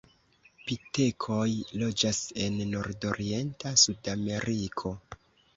Pitekoj loĝas en nordorienta Sudameriko.